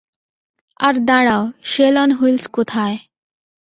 আর দাঁড়াও, শেল-অন-হুইলস কোথায়?